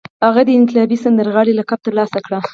هغه د انقلابي سندرغاړي لقب ترلاسه کړ